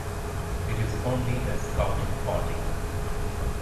It is only a scouting party.